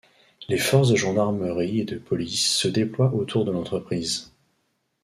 Les forces de gendarmerie et de police se déploient autour de l'entreprise.